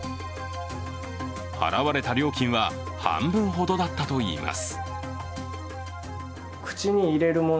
払われた料金は半分ほどだったといいます。